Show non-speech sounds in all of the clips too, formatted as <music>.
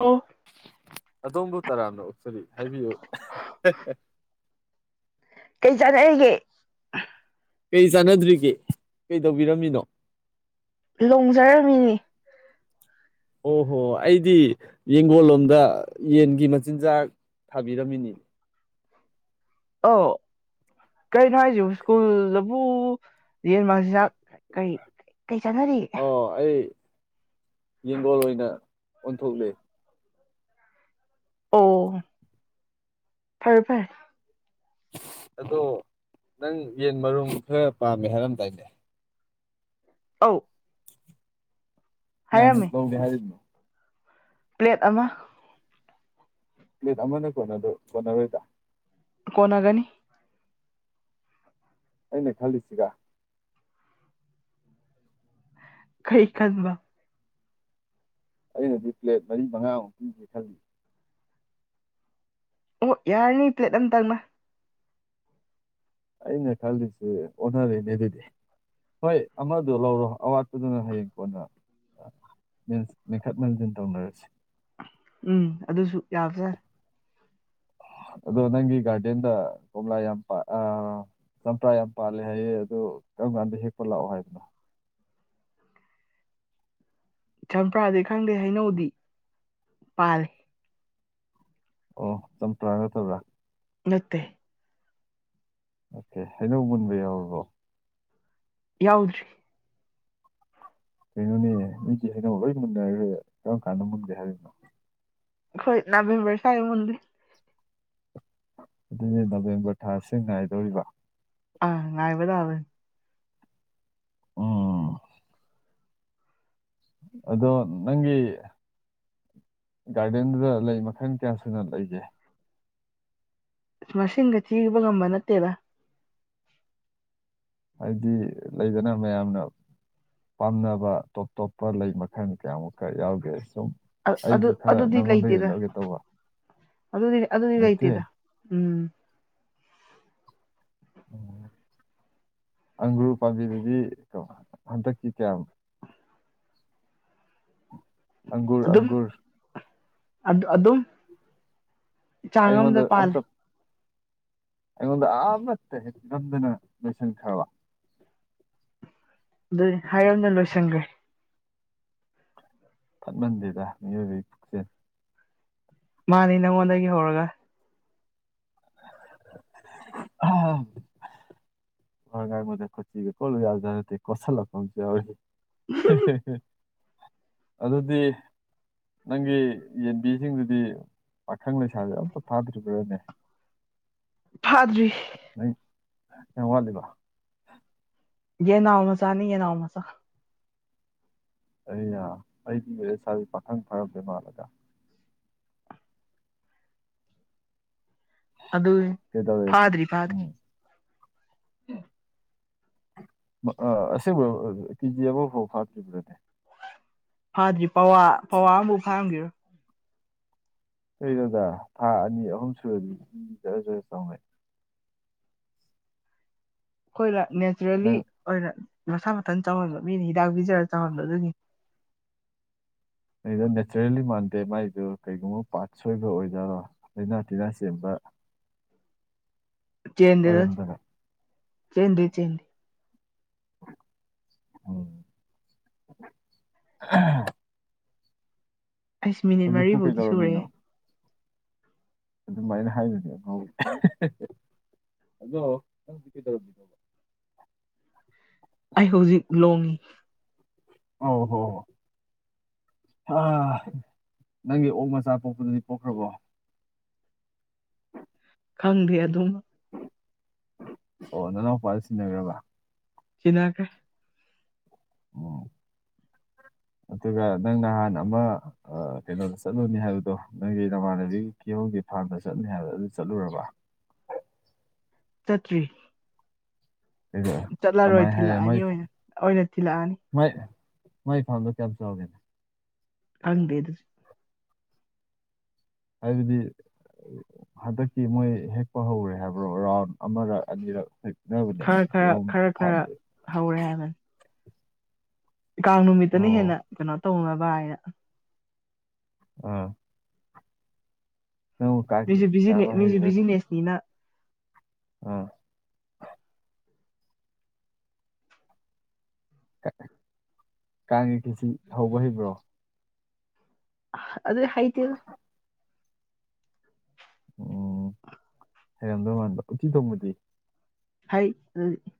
ꯑꯣ ꯑꯗꯣꯝꯕꯨ ꯇꯔꯥꯝꯅ ꯑꯣꯛꯆꯔꯤ ꯍꯥꯏꯕꯤꯌꯨ ꯀꯩ ꯆꯥꯟꯅꯔꯤꯒꯦ ꯀꯩ ꯆꯥꯟꯅꯗ꯭ꯔꯤꯒꯦ ꯀꯩ ꯇꯧꯕꯤꯔꯝꯃꯤꯅꯣ ꯂꯣꯡꯖꯔꯝꯃꯤꯅꯤ ꯑꯣꯍꯣ ꯑꯩꯗꯤ ꯌꯦꯡꯒꯣꯜ ꯂꯣꯝꯗ ꯌꯦꯟꯒꯤ ꯃꯆꯤꯟꯖꯥꯛ ꯊꯥꯕꯤꯔꯝꯃꯤꯅꯤ ꯑꯣ ꯀꯩꯅꯣ ꯍꯥꯏꯁꯤꯕꯨ ꯁ꯭ꯀꯨꯜ ꯕꯨ ꯌꯦꯟ ꯃꯥꯡꯆꯤꯟꯖꯥꯛ ꯀꯔꯤ ꯀꯔꯤ ꯆꯥꯟꯅꯔꯤ ꯑꯣ ꯑꯩ ꯌꯦꯡꯒꯣꯟ ꯑꯣꯏꯅ ꯑꯣꯟꯊꯣꯛꯂꯦ ꯑꯣ ꯐꯔꯦ ꯐꯔꯦ ꯑꯗꯣ ꯅꯪ ꯌꯦꯟ ꯃꯔꯨꯝ ꯈꯔ ꯄꯥꯝꯃꯦ ꯍꯥꯏꯔꯝꯗꯥꯏꯅꯦ ꯑꯥꯎ ꯀꯌꯥꯃꯨꯛ ꯍꯥꯏꯔꯝꯃꯦ ꯂꯧꯒꯦ ꯍꯥꯏꯔꯤꯅꯣ ꯄ꯭ꯂꯦꯠ ꯑꯃ ꯄꯂꯦꯠ ꯑꯃꯅ ꯀꯣꯟꯅ ꯀꯣꯟꯅꯔꯣꯢꯗꯔ ꯀꯣꯟꯅꯒꯅꯤ ꯑꯩꯅ ꯈꯜꯂꯤꯁꯤꯒ ꯀꯩ ꯈꯥꯟꯕ ꯑꯩꯅꯗꯤ ꯄ꯭ꯂꯦꯠ ꯃꯔꯤ ꯃꯉꯥꯃꯨꯛ ꯄꯤꯒꯦ ꯈꯜꯂꯤ ꯑꯣ ꯌꯥꯔꯅꯤ ꯄ꯭ꯂꯦꯠ ꯑꯝꯇꯪꯅ ꯑꯩꯅ ꯈꯜꯂꯤꯁꯦ ꯑꯣꯟꯅꯔꯅꯦ ꯑꯗꯨꯗꯤ ꯍꯣꯏ ꯑꯃꯗꯣ ꯂꯧꯔꯣ ꯑꯋꯥꯠꯄꯗꯨꯅ ꯍꯌꯦꯡ ꯀꯣꯟꯅ ꯃꯦꯈꯠ ꯃꯦꯟꯁꯤꯟ ꯇꯧꯅꯔꯁꯤ ꯎꯝ ꯑꯗꯨꯁꯨ ꯌꯥꯕꯖꯠꯅꯤ ꯑꯗꯣ ꯅꯪꯒꯤ ꯒꯥꯗꯦꯟꯗ ꯀꯣꯝꯂ ꯌꯥꯝꯄꯥ ꯆꯝꯄ꯭ꯔꯥ ꯌꯥꯝ ꯄꯥꯜꯂꯦ ꯍꯥꯏꯌꯦ ꯑꯗꯣ ꯀꯔꯝ ꯀꯥꯟꯗ ꯍꯦꯛꯄ ꯂꯥꯛꯑꯣ ꯍꯥꯏꯕꯅꯣ ꯆꯝꯄ꯭ꯔꯥꯗꯤ ꯈꯪꯗꯦ ꯍꯩꯅꯧꯗꯤ ꯄꯥꯜꯂꯤ ꯑꯣ ꯆꯝꯄ꯭ꯔꯥ ꯅꯠꯇꯕꯔꯥ ꯅꯠꯇꯦ ꯍꯩꯅꯧ ꯃꯨꯟꯕ ꯌꯥꯎꯔꯕꯣ ꯌꯥꯎꯗ꯭ꯔꯤ ꯀꯩꯅꯣꯅꯦ ꯅꯣꯏꯗꯤ ꯍꯩꯅꯧ ꯂꯣꯏ ꯃꯨꯟꯅꯔꯦ ꯀꯔꯝ ꯀꯥꯟꯗ ꯃꯨꯟꯒꯦ ꯍꯥꯏꯔꯤꯅꯣ ꯈꯣꯏ ꯅꯕꯦꯝꯕꯔ ꯁꯥꯏ ꯃꯨꯟꯅꯤ ꯑꯗꯨꯗꯤ ꯅꯕꯦꯝꯕꯔ ꯊꯥꯁꯤ ꯉꯥꯏꯗꯧꯔꯤꯕ ꯑꯥ ꯉꯥꯏꯕ ꯇꯕꯅꯤ ꯑꯝ ꯑꯗꯣ ꯅꯪꯒꯤ ꯒꯥꯔꯗꯦꯟꯗꯨꯗ ꯂꯩ ꯃꯈꯟ ꯀꯌꯥ ꯁꯨꯅ ꯂꯩꯒꯦ ꯃꯁꯤꯡꯒ ꯊꯤꯕ ꯉꯝꯕ ꯅꯠꯇꯦꯕ ꯍꯥꯏꯗꯤ ꯂꯩꯗꯅ ꯃꯌꯥꯝꯅ ꯄꯥꯝꯅꯕ ꯇꯣꯞ ꯇꯣꯞꯄ ꯂꯩ ꯃꯈꯜ ꯀꯌꯥꯃꯨꯛꯀ ꯌꯥꯎꯒꯦ ꯁꯨꯝ ꯑꯗꯨ ꯑꯩꯁꯨ ꯈꯔ ꯑꯗꯨꯗꯤ ꯅꯪꯉꯣꯟꯗꯒꯤ ꯂꯩꯇꯦꯗ ꯂꯧꯒꯦ ꯇꯧꯕ ꯑꯗꯨꯗꯤ ꯑꯗꯨꯗꯤ ꯂꯩꯇꯦ ꯂꯩꯇꯦꯗ ꯎꯝ <unintelligible> ꯑꯪꯒ꯭ꯔꯨ ꯄꯥꯝꯕꯤꯗꯨꯗꯒꯤ ꯀꯩꯅꯣ ꯍꯟꯗꯛꯀꯤ ꯀꯌꯥ ꯑꯪꯒꯨꯔ ꯑꯗꯨꯝ ꯑꯪꯒꯨꯔ ꯑꯗꯨꯝ ꯆꯥꯡ ꯑꯃꯗ ꯑꯩꯉꯣꯟꯗ ꯄꯥꯜꯂꯦ ꯑꯝꯇ ꯑꯩꯉꯣꯟꯗ ꯑꯃꯠꯇ ꯍꯦꯛ ꯉꯝꯗꯅ ꯂꯣꯏꯁꯟꯈ꯭ꯔꯕ ꯑꯗꯨꯅꯤ ꯍꯥꯏꯔꯝꯗꯅ ꯂꯣꯏꯁꯤꯟꯒ꯭ꯔꯦ ꯐꯠꯃꯟꯗꯗ ꯃꯤꯑꯣꯏꯕꯒꯤ ꯄꯨꯛꯆꯦꯟ ꯃꯥꯅꯤ ꯅꯪꯉꯣꯟꯗꯒꯤ ꯍꯧꯔꯒ <unintelligible> ꯋꯥ ꯉꯥꯡꯕꯗ ꯀꯣꯠꯆꯤꯒ ꯀꯣꯠꯂꯨ ꯌꯥꯖꯥꯠ ꯅꯟꯇꯦ ꯀꯣꯠꯁꯤꯂꯛꯄ ꯑꯃꯥ ꯌꯥꯎꯔꯤ ꯑꯗꯨꯗꯤ ꯅꯪꯒꯤ ꯌꯦꯟꯕꯤꯁꯤꯡꯗꯨꯗꯤ ꯄꯥꯈꯪ ꯂꯩꯁꯥꯕꯤ ꯑꯝꯇ ꯐꯥꯗ꯭ꯔꯤꯕ꯭ꯔꯥꯅꯦ ꯐꯥꯗ꯭ꯔꯤ ꯑꯩ ꯋꯥꯠꯂꯤꯕꯣ ꯌꯦꯟꯅꯥꯎ ꯃꯆꯥꯅꯤ ꯌꯦꯟꯅꯥꯎ ꯃꯆꯥ ꯑꯩꯅ ꯑꯩꯗꯤ ꯃ ꯆ <inaudible> ꯁꯤ ꯄꯥꯈꯪ ꯐꯥꯔꯝꯗꯣꯏ ꯃꯥꯜꯂꯒ ꯑꯗꯨ ꯀꯩꯗꯧꯔꯦ ꯐꯥꯗ꯭ꯔꯤ ꯐꯥꯗ꯭ꯔꯤ ꯎꯝ ꯑꯁꯦꯡꯕ ꯀꯦꯖꯤ ꯑꯃꯐꯥꯎ ꯐꯥꯇ꯭ꯔꯤꯕꯅꯦ ꯐꯥꯗ꯭ꯔꯤ ꯄꯋꯥ ꯄꯋꯥ ꯑꯃꯐꯥꯎ ꯐꯥꯔꯝꯒꯤꯔꯣꯢ ꯀꯩꯅꯣꯗ ꯊꯥ ꯑꯅꯤ ꯑꯍꯨꯝ ꯁꯨꯔꯗꯤꯖꯔ ꯖꯔ ꯖꯔ ꯆꯥꯎꯅꯩ ꯑꯩꯈꯣꯏꯅ ꯅꯦꯆꯔꯦꯜꯂꯤ ꯅꯪ ꯑꯣꯏꯅ ꯃꯁꯥ ꯃꯊꯟ ꯆꯥꯎꯍꯟꯕ ꯃꯤꯅ ꯍꯤꯗꯥꯛ ꯄꯤꯖꯔꯒ ꯆꯥꯎꯍꯟꯕ ꯑꯗꯨꯅꯤ ꯑꯩꯗꯤ ꯅꯦꯆꯔꯦꯜꯂꯤ ꯃꯥꯟꯗꯦ ꯃꯥꯏꯗꯨ ꯀꯩꯒꯨꯝꯕ ꯄꯥꯠ ꯁꯣꯏꯕ ꯑꯣꯏꯖꯠꯔꯣ ꯂꯥꯏꯅꯥ ꯇꯤꯟꯅꯥ ꯆꯦꯟꯕ ꯆꯦꯟꯗꯗ ꯑꯣꯏꯔꯝꯗꯅ ꯆꯦꯟꯗꯦ ꯆꯦꯟꯗꯦ ꯎ <inaudible> ꯑꯩꯁ ꯃꯤꯅꯤꯠ ꯍꯧꯖꯤꯛꯄꯨ ꯃꯔꯤꯐꯥꯎꯗꯤ ꯁꯨꯔꯦ ꯀꯩꯗꯧꯔꯝꯃꯤꯅꯣ ꯑꯗꯨꯃꯥꯏꯅ ꯍꯥꯏꯒꯅꯨ ꯑꯉꯥꯎꯕꯤ ꯑꯗꯣ ꯅꯪꯗꯤ ꯀꯩꯗꯧꯔꯝꯃꯤꯅꯣ ꯑꯩ ꯍꯧꯖꯤꯛ ꯂꯣꯡꯉꯤ ꯑꯣ ꯍꯣ ꯑ ꯅꯪꯒꯤ ꯑꯣꯛ ꯃꯆꯥ ꯄꯣꯛꯄꯗꯨꯗꯤ ꯄꯣꯛꯈ꯭ꯔꯕꯣ ꯇꯪꯗꯦ ꯑꯗꯨꯝꯃ ꯑꯣ ꯅꯅꯥꯎꯄꯥꯗ ꯁꯤꯟꯅꯈ꯭ꯔꯕ ꯁꯤꯟꯅꯈ꯭ꯔꯦ ꯎꯝ ꯭ <unintelligible> ꯑꯗꯨꯒ ꯅꯪ ꯅꯍꯥꯟ ꯑꯃ ꯀꯩꯅꯣꯗ ꯆꯠꯂꯨꯅꯤ ꯍꯥꯏꯕꯗꯣ ꯅꯪꯒꯤ ꯅꯃꯥꯟꯅꯕꯤ ꯀꯤꯍꯣꯒꯤ ꯐꯥꯔꯝꯗ ꯆꯠꯅꯤ ꯍꯥꯏꯕꯗꯣ ꯑꯗꯨ ꯆꯠꯂꯨꯔꯕ ꯆꯠꯇ꯭ꯔꯤ ꯀꯩꯗꯧ ꯆꯠꯂꯔꯣꯏ ꯀꯃꯥꯏ ꯊꯤꯜꯂꯛꯑꯅꯤ ꯑꯣꯏꯅ ꯑꯣꯏꯅ ꯊꯤꯜꯂꯛꯑꯅꯤ ꯃꯣꯢ ꯃꯣꯢ ꯐꯥꯝꯗꯣ ꯀꯌꯥꯝ ꯑꯥꯎꯒꯦ ꯈꯪꯗꯦ ꯑꯗꯨꯗꯤ ꯍꯥꯏꯕꯗꯤ ꯍꯟꯗꯛꯀꯤ ꯃꯣꯏ ꯍꯦꯛꯄ ꯍꯧꯔꯦ ꯍꯥꯏꯕ꯭ꯔꯣ ꯔꯥꯎꯟ ꯑꯃꯔꯛ ꯑꯅꯤꯔꯛ ꯍꯦꯛ ꯅꯕꯅꯦ ꯈꯔ <inaudible> ꯌ ꯈꯔ ꯈꯔ ꯈꯔ ꯐꯥꯝꯗ꯭ꯔꯦ ꯍꯧꯔꯦ ꯍꯥꯢꯕꯅꯤ ꯀꯥꯡ ꯅꯨꯃꯤꯠꯇꯅ ꯑꯣ ꯍꯦꯟꯅ ꯀꯩꯅꯣ ꯇꯧꯅꯕ ꯍꯥꯏꯅ ꯑꯥ ꯅꯪꯕꯨ ꯀꯥꯡ ꯃꯤꯁꯨ ꯈꯦꯆꯤ ꯆꯥꯕ ꯃꯤꯁꯨ ꯕꯤꯖꯤꯅꯦꯁꯅꯤꯅ ꯎꯝ ꯀꯥꯡꯒꯤ ꯈꯤꯁꯤ ꯍꯧꯕ ꯍꯩꯕ꯭ꯔꯣ ꯑꯗꯨꯗꯤ ꯍꯩꯇꯦꯗ ꯎꯝ ꯍꯩꯔꯝꯗꯧ ꯃꯥꯟꯕ ꯎꯇꯤ ꯊꯣꯡꯕꯗꯤ ꯍꯩ ꯑꯗꯨꯗꯤ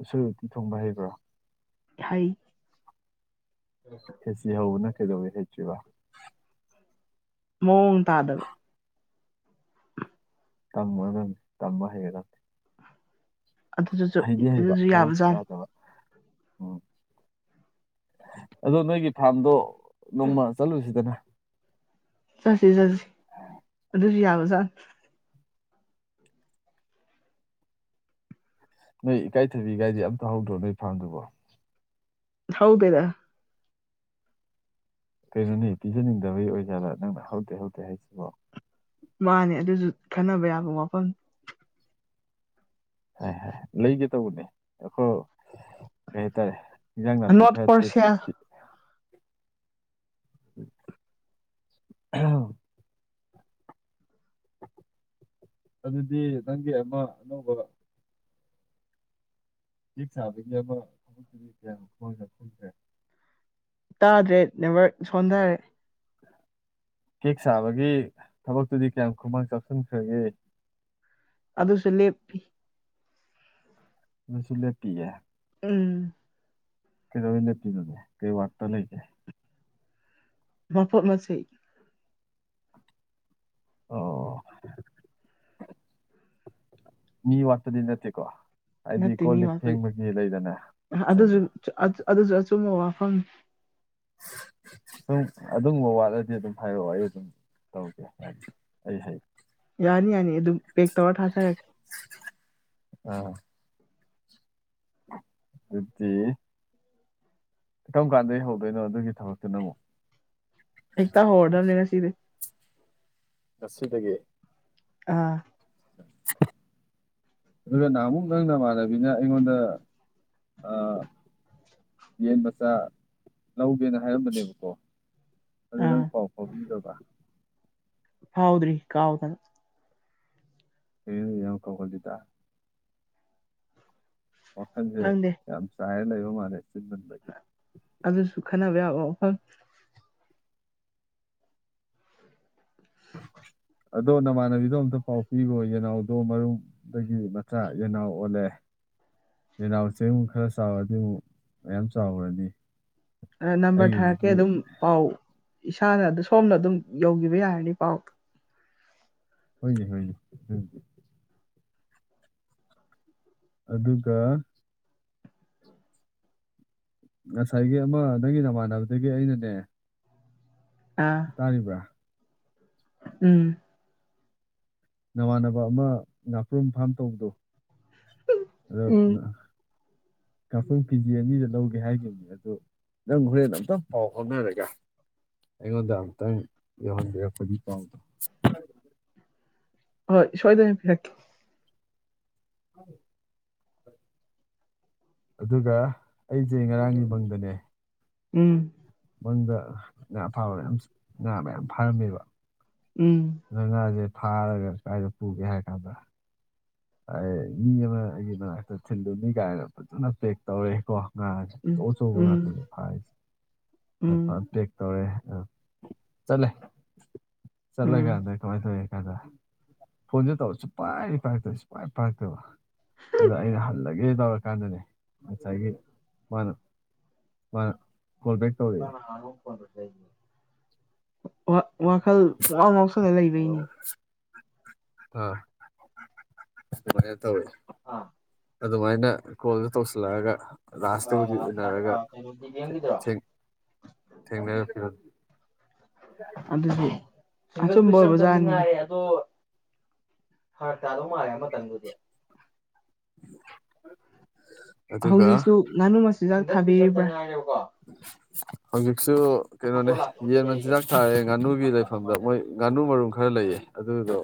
ꯑꯁꯨꯣꯢ ꯎꯇꯤ ꯊꯣꯡꯕ ꯍꯩꯕ꯭ꯔꯣ ꯍꯩ ꯎꯝ <inaudible> ꯈꯦꯁꯤ ꯍꯧꯕꯅ ꯀꯩꯗꯧꯕꯩ ꯍꯩꯇ꯭ꯔꯤꯕ ꯃꯑꯣꯡ ꯇꯥꯗꯕ ꯇꯝꯃꯣ ꯃ ꯍꯥꯏꯒꯗꯝꯅꯦ ꯑꯗꯨꯗꯨꯁꯨ ꯍꯩꯗꯤ ꯍꯩꯕ ꯑꯗꯨꯁꯨ ꯃꯑꯣꯡ ꯌꯥꯕꯖꯥꯠꯅꯤ ꯇꯥꯗꯕ ꯎꯝ ꯑꯗꯣ ꯅꯣꯏꯒꯤ ꯐꯥꯔꯝꯗꯣ ꯅꯣꯡꯃ ꯆꯠꯂꯨꯁꯤꯗꯅ ꯁꯠꯁꯤ ꯁꯠꯁꯤ ꯑꯗꯨꯁꯨ ꯌꯥꯕꯖꯠꯅꯤ ꯅꯣꯏ ꯏꯀꯥꯏꯊꯕꯤ ꯀꯥꯏꯗꯤ ꯑꯝꯇ ꯍꯧꯗ꯭ꯔꯣ ꯅꯣꯏ ꯐꯥꯝꯗꯨꯕꯣ ꯍꯥꯎꯗꯦꯗꯥ ꯀꯩꯅꯣꯅꯤ ꯄꯤꯖꯅꯤꯡꯗꯕꯒꯤ ꯑꯣꯏꯖꯥꯠꯂꯥ ꯅꯪꯅ ꯍꯧꯗꯦ ꯍꯧꯗꯦ ꯍꯥꯏꯁꯤꯕꯣ ꯃꯥꯅꯦ ꯑꯗꯨꯁꯨ ꯈꯟꯅꯕ ꯌꯥꯕ ꯋꯥꯐꯝꯅꯤ ꯍꯥꯏ ꯍꯥꯏ ꯂꯩꯒꯦ ꯇꯧꯕꯅꯦ ꯑꯩꯈꯣꯏ ꯀꯩ ꯍꯥꯏꯇꯥꯔꯦ ꯏꯟꯖꯥꯡ ꯅꯣ <inaudible> ꯅꯥꯄꯤ ꯔꯠ ꯈꯔ ꯇꯦꯛ ꯄꯔꯁꯤꯌꯥ ꯑ <inaudible> ꯑꯗꯨꯗꯤ ꯅꯪꯒꯤ ꯑꯃ ꯑꯅꯧꯕ ꯆꯦꯛ ꯆꯥꯕ ꯌꯥꯕ ꯍꯧꯕꯛꯇꯨꯗꯤ ꯀꯌꯥ ꯈꯣꯡ ꯈꯣꯡꯈ꯭ꯔꯦ <inaudible> ꯇꯥꯗ꯭ꯔꯦ ꯅꯦꯠꯋꯥꯛ ꯁꯣꯟꯊꯔꯦ ꯀꯦꯛ ꯁꯥꯕꯒꯤ ꯊꯕꯛꯇꯨꯗꯤ ꯀꯌꯥꯝ ꯈꯨꯃꯥꯡ ꯆꯥꯎꯁꯤꯟꯈ꯭ꯔꯒꯦ ꯑꯗꯨꯁꯨ ꯂꯦꯞꯄꯤ ꯑꯗꯨꯁꯨ ꯂꯦꯞꯇꯤ ꯎꯝ ꯂꯩꯗꯧꯕꯩ ꯂꯦꯞꯄꯤꯅꯣ ꯀꯩ ꯋꯥꯠꯄꯥ ꯂꯩꯒꯦ ꯃꯄꯣꯠ ꯃꯁꯩ ꯑꯣ ꯃꯤ ꯋꯥꯠꯕꯗꯤ ꯅꯠꯇꯦꯀꯣ ꯍꯥꯏꯗꯤ ꯅꯠꯇꯦ ꯀꯣꯜ ꯃꯤ ꯂꯤꯞ ꯋꯥꯠꯄꯗꯤ ꯐꯦꯡꯕꯒꯤ ꯂꯩꯗꯅ ꯑꯗꯨꯁꯨ ꯉꯥꯏꯒꯤ ꯑꯗꯨꯁꯨ ꯑꯆꯨꯝꯕ ꯋꯥꯐꯝꯅꯤ ꯁꯨꯝ ꯑꯗꯨꯝꯕ ꯋꯥꯠꯂꯗꯤ ꯑꯗꯨꯝ ꯍꯥꯏꯔꯛꯑꯣ ꯑꯩ ꯑꯗꯨꯝ ꯇꯧꯒꯦ ꯍꯥꯏ ꯑꯩ ꯍꯩ ꯌꯥꯅꯤ ꯌꯥꯅꯤ ꯑꯗꯨꯝ ꯄꯦꯛ ꯇꯧꯔ ꯊꯥꯖꯔꯛꯀꯦ ꯑ ꯑꯗꯨꯗꯤ ꯀꯔꯝ ꯀꯥꯟꯗꯩ ꯍꯧꯗꯣꯏꯅꯣ ꯑꯗꯨꯒꯤ ꯊꯕꯛꯇꯨꯅ ꯑꯃꯨꯛ ꯍꯦꯛꯇꯥ ꯍꯧꯔꯗꯧꯅꯤ ꯉꯥꯁꯤꯗꯩꯩ ꯉꯁꯤꯗꯒꯤ ꯑꯥ <unintelligible> ꯑꯗꯨꯒ ꯅꯍꯥꯃꯨꯛ ꯅꯪ ꯅꯃꯥꯟꯅꯕꯤꯅ ꯑꯩꯉꯣꯟꯗ ꯌꯦꯟ ꯃꯆꯥ ꯂꯧꯒꯦꯅ ꯍꯥꯏꯔꯝꯕꯅꯦꯕꯀꯣ ꯑꯗꯨ ꯅꯪ ꯑꯥ ꯄꯥꯎ ꯐꯥꯎꯕꯤꯔꯕ ꯐꯥꯎꯗ꯭ꯔꯤ ꯀꯥꯎꯗꯅ ꯀꯔꯤꯅꯣ ꯅꯪꯅ ꯑꯗꯨꯛ ꯌꯥꯝ ꯀꯥꯎꯀꯜꯂꯤꯗꯣ ꯋꯥꯈꯥꯜꯁꯦ ꯈꯪꯗꯦ ꯌꯥꯝ ꯆꯥꯏꯔ ꯂꯩꯕ ꯃꯥꯜꯂꯦ ꯆꯤꯟꯃꯟ ꯕꯩ ꯑꯗꯨꯁꯨ ꯈꯟꯅꯕ ꯌꯥꯕ ꯋꯥꯐꯝꯅꯤ ꯑꯗꯣ ꯅꯃꯥꯟꯅꯕꯤꯗꯣ ꯑꯝꯇ ꯄꯥꯎ ꯄꯤꯈꯣ ꯌꯦꯅꯥꯎꯗꯣ ꯃꯔꯨꯝ ꯗꯒꯤ ꯃꯆꯥ ꯌꯦꯅꯥꯎ ꯑꯣꯜꯂꯦ ꯌꯦꯅꯥꯎ ꯋꯦ ꯈꯔ ꯆꯥꯎꯔꯗꯤ ꯑꯃꯨꯛ ꯌꯥꯝꯌꯥꯝ ꯆꯥꯎꯈ꯭ꯔꯅꯤ ꯅꯝꯕꯔ ꯊꯥꯔꯛꯀꯦ ꯑꯗꯨꯝ ꯄꯥꯎ ꯏꯁꯥꯅ ꯑꯗꯨ ꯁꯣꯝꯅ ꯑꯗꯨꯝ ꯌꯧꯈꯤꯕ ꯌꯥꯔꯅꯤ ꯄꯥꯎ ꯍꯣꯏꯅꯦ ꯍꯣꯏꯅꯦ ꯑꯗꯨꯒ ꯉꯁꯥꯏꯒꯤ ꯑꯃ ꯅꯪꯒꯤ ꯅꯃꯥꯟꯅꯕꯗꯒꯤ ꯑꯩꯅꯅꯦ ꯑꯥ ꯇꯥꯔꯤꯕ꯭ꯔꯥ ꯎꯝ ꯅꯃꯥꯟꯅꯕ ꯑꯃ ꯉꯥꯄ꯭ꯔꯨꯝ ꯐꯥꯝ ꯇꯧꯕꯗꯣ ꯑꯗꯣ ꯎꯝ ꯉꯥꯄ꯭ꯔꯨꯝ ꯀꯦꯖꯤ ꯑꯅꯤꯗ ꯂꯧꯒꯦ ꯍꯥꯏꯈꯤꯕꯅꯤ ꯑꯗꯨ ꯅꯪ ꯍꯣꯔꯦꯟ ꯑꯝꯇꯪ ꯄꯥꯎ ꯐꯥꯎꯅꯔꯒ ꯑꯩꯉꯣꯟꯗ ꯑꯃꯨꯛꯇꯪ ꯌꯧꯍꯟꯕꯤꯔꯛꯄꯗꯤ ꯄꯥꯎꯗꯣ ꯍꯣꯏ ꯁ‌ꯣꯏꯗꯅꯄꯤꯔꯛꯀ‌ꯦ ꯎ ꯑꯗꯨꯒ ꯑꯩꯁꯦ ꯉꯔꯥꯡꯒꯤꯃꯪꯗꯅꯦ ꯎꯝ ꯃꯪꯗ ꯉꯥ ꯐꯥꯕ ꯃꯌꯥꯝ ꯉꯥ ꯃꯌꯥꯝ ꯐꯥꯔꯝꯃꯦꯕ ꯎꯝ ꯅꯪ ꯉꯥꯁꯦ ꯐꯥꯔꯒ ꯀꯥꯏꯗ ꯄꯨꯒꯦ ꯍꯥꯏ ꯀꯥꯟꯗ ꯑꯥꯏ ꯃꯤ ꯑꯃ ꯑꯩꯒꯤ ꯃꯅꯥꯛꯇ ꯊꯤꯟꯗꯨꯅꯤ ꯀꯥꯏꯅ ꯐꯖꯅ ꯄꯦꯛ ꯇꯧꯔ‌ꯦꯀꯣ ꯉꯥ ꯁꯤ ꯎꯝ ꯑꯆꯧ ꯑꯆꯧꯕ ꯎꯝ ꯉꯥꯛꯇꯅꯤ ꯐꯥꯔꯤꯁ‌ꯦ ꯐꯥ ꯎꯝ ꯄ‌ꯦꯛ ꯇꯧꯔꯦ ꯑꯥ ꯆꯠꯂꯦ ꯎꯝ ꯆꯠꯂꯒ ꯑꯗ ꯀꯃꯥꯏꯅ ꯇꯧꯏ ꯀꯗ ꯐꯣꯟꯁꯦ ꯇꯧꯔ ꯁꯨꯄꯥꯏ ꯄꯥꯏꯔꯛꯇꯕ ꯁꯨꯄꯥꯏ ꯄꯥꯏꯔꯛꯇꯕ ꯑꯗ ꯑꯩꯅ ꯍꯜꯂꯒꯦ ꯇꯧꯔꯀꯥꯟꯗꯅꯦ ꯉꯁꯥꯏꯒꯤ ꯃꯥꯅ ꯃꯥꯅ ꯈꯣꯜꯕ‌ꯦꯛ ꯇꯧꯔꯛꯏ <unintelligible> ꯋꯥꯈꯜ ꯄꯨꯉ‌ꯥꯎ ꯉꯥꯎꯁꯜꯂ ꯂꯩꯕꯩꯅꯦ ꯑꯥ <unintelligible> ꯇꯧꯋꯦ ꯑꯥ ꯑꯗꯨꯃꯥꯏꯅ ꯀꯣꯜꯗꯣ ꯇꯧꯁꯤꯜꯂꯛꯑꯒ ꯂꯥꯁꯇꯕꯨꯗꯤ ꯎꯅꯔꯒ ꯊꯦꯡ ꯊ‌‌ꯦꯡꯅꯔ ꯄꯤꯔꯝꯃꯤ ꯑꯗꯨꯗꯤ ꯑꯆꯨꯝꯕ ꯑꯣꯏꯕꯖꯥꯅꯤ ꯑꯗ‌ꯣ ꯐꯥꯔꯛ ꯇꯥꯗꯧ ꯃꯥꯜꯂꯦ ꯑꯃꯇꯪꯗꯨꯗꯤ <unintelligible> ꯍꯧꯖꯤꯛꯁꯨ ꯉꯥꯅꯨ ꯃꯆꯤꯟꯖꯥꯛ ꯊꯥꯕꯤꯔꯤꯕ꯭ꯔꯥ ꯍꯧꯖꯤꯛꯁꯨ ꯀꯩꯅꯣꯅꯦ ꯌꯦꯟ ꯃꯆꯤꯟꯖꯥꯛ ꯊꯥꯔꯦ ꯉꯥꯅꯨꯒꯤ ꯂꯩꯐꯝꯗ ꯃꯣꯏ ꯉꯥꯅꯨ ꯃꯔꯨꯝ ꯈꯔ ꯂꯩꯌꯦ ꯑꯗꯨꯗꯣ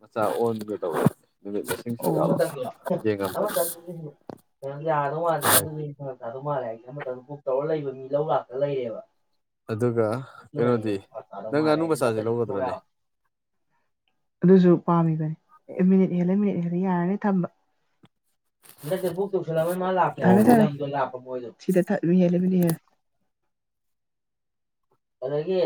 ꯃꯆꯥ ꯑꯣꯟꯒꯗꯧꯔ‌ꯦ ꯗꯨꯒꯤ ꯑꯣ ꯑꯃꯇꯪꯂ‌ꯣ ꯑꯃꯇꯪꯗꯨꯗꯤ ꯌꯥꯗꯧ ꯃꯥꯟꯗ‌ꯦ ꯑꯗꯨꯅꯤ ꯐꯥꯔꯛꯇꯥꯗꯧ ꯃꯥꯜꯂꯦ ꯍꯥꯏꯒꯦ ꯑꯃꯇꯪ ꯕꯨꯛ ꯇꯧꯔ ꯂꯩꯕ ꯃꯤ ꯂꯧ ꯂꯥꯛꯇ ꯂꯩꯔꯦꯕ ꯑꯗꯨꯒ ꯀꯩꯅꯣꯗꯤ ꯅꯪ ꯉꯥꯅꯨ ꯃꯆꯥꯖꯤ ꯂꯧꯒꯗ꯭ꯔꯅꯦ ꯑꯗꯨꯁꯨ ꯄꯥꯝꯃꯤꯕꯅꯦ ꯑꯦ ꯃꯤꯅꯤꯠ ꯍꯦꯜꯂꯦ ꯃꯤꯅꯤꯠ ꯍꯦꯜꯂꯦ ꯌꯥꯔꯅꯤ ꯊꯝꯕ ꯅ ꯕꯨꯛ ꯇꯧꯁꯜꯂꯝ‌ <unintelligible> ꯊꯝꯃ‌ꯦ ꯃꯑꯣꯡ ꯊꯝꯃ‌ꯦ <unintelligible> ꯁꯤꯗ ꯃꯤꯅꯠ ꯍꯦꯟꯂ‌ꯦ ꯃꯤꯅꯠ ꯍꯦꯟꯂꯦ ꯑꯗꯒꯤ